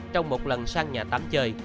trong một lần sang nhà tám chơi